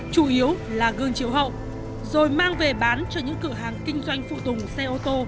chủ yếu là gương chiếu hậu rồi mang về bán cho những cửa hàng kinh doanh phụ tùng xe ô tô